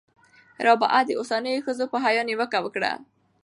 رابعې د اوسنیو ښځو په حیا نیوکه وکړه.